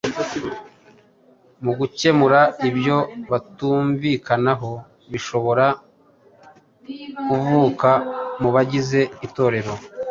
mu gukemura ibyo batumvikanaho bishobora kuvuka mu bagize Itorero